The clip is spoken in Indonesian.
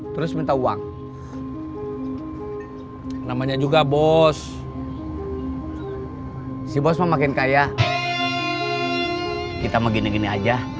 terus minta uang namanya juga bos si bos makin kaya kita mau gini gini aja